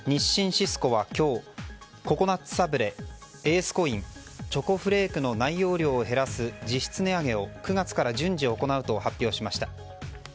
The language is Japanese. シスコは今日ココナッツサブレエースコインチョコフレークの内容量を減らす実質値上げを９月から順次行うと発表しました。